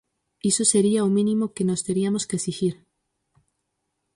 Iso sería o mínimo que nós teriamos que exixir.